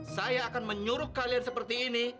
saya akan menyuruh kalian seperti ini